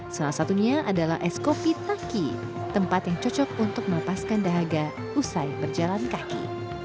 salah satunya adalah es kopi taki tempat yang cocok untuk melepaskan dahaga usai berjalan kaki